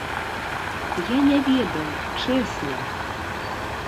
Я не ведаў, чэсна.